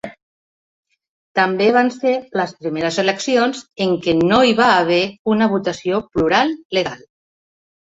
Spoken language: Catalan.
També van ser les primeres eleccions en què no hi va haver una votació plural legal.